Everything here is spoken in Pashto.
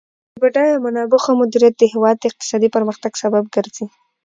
د بډایه منابعو ښه مدیریت د هیواد د اقتصادي پرمختګ سبب ګرځي.